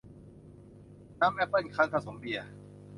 น้ำแอปเปิ้ลคั้น ผสมเบียร์